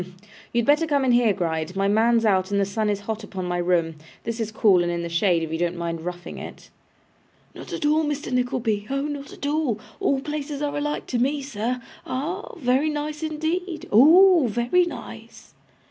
You had better come in here, Gride. My man's out, and the sun is hot upon my room. This is cool and in the shade, if you don't mind roughing it.' 'Not at all, Mr. Nickleby, oh not at all! All places are alike to me, sir. Ah! very nice indeed. Oh! very nice!